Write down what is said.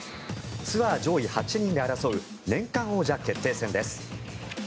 ツアー上位８人で争う年間王者決定戦です。